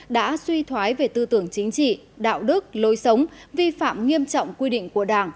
đã suy thoái về tư tưởng chính trị đạo đức lối sống vi phạm nghiêm trọng quy định của đảng